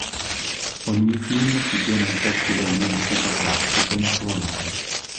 Ogni giugno si tiene un festival di musica classica in suo onore.